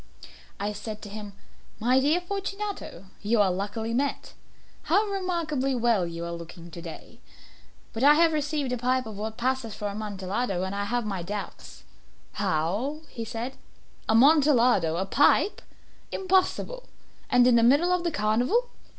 I said to him "My dear Fortunato, you are luckily met. How remarkably well you are looking to day! But I have received a pipe of what passes for Amontillado, and I have my doubts." "How?" said he. "Amontillado? A pipe? Impossible! And in the middle of the carnival!"